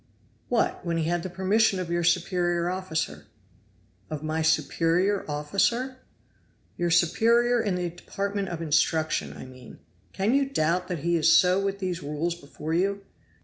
"What! when he had the permission of your superior officer." "Of my superior officer?" "Your superior in the department of instruction, I mean. Can you doubt that he is so with these rules before you?